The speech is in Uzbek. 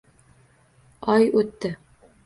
Oy o’tdi.